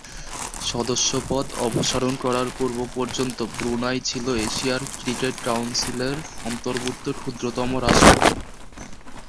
সদস্যপদ অপসারণ করার পূর্ব পর্যন্ত ব্রুনাই ছিল এশিয়ান ক্রিকেট কাউন্সিলের অন্তর্ভুক্ত ক্ষুদ্রতম রাষ্ট্র।